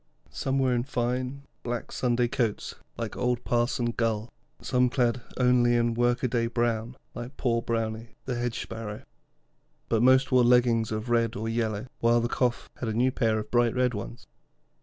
Some were in fine, black Sunday coats like old Parson Gull, some clad only in work a day brown like Poor Brownie, the Hedge Sparrow; but most wore leggings of red or yellow, while the Chough had a new pair of bright red ones.